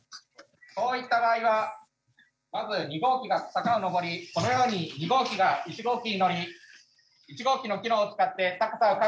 そういった場合はまず２号機が坂を上りこのように２号機が１号機に乗り１号機の機能を使って高さを確保します。